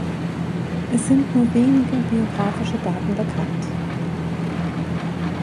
Es sind nur wenige biografische Daten bekannt.